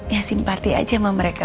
ya simpati aja sama mereka